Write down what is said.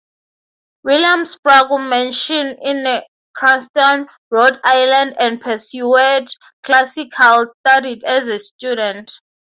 William Sprague Mansion in Cranston, Rhode Island, and pursued classical studies as a student.